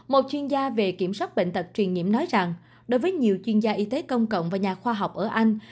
một chuyên gia về kiểm soát bệnh tật truyền nhiễm nói rằng đối với nhiều chuyên gia y tế công cộng và nhà khoa học ở anh